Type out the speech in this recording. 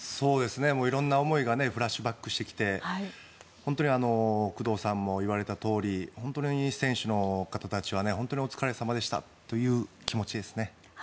色んな思いがフラッシュバックしてきて本当に工藤さんも言われたとおり選手の方たちは本当にお疲れ様でしたという気持ちですね。